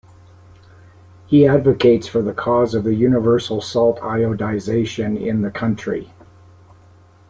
He advocates for the cause of the universal salt iodization in the country.